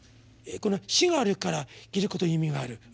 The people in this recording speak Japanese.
この死があるから生きることに意味がある。